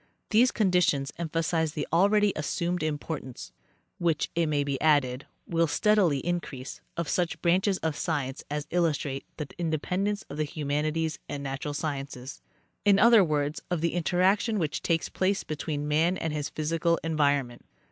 These conditions emphasize the already assumed importance, which, it may be added, will steadily increase, of such branches of science as illustrate the interdependence of the humanities and natural sciences. In other words, of the interaction which takes place between man and his physical environment.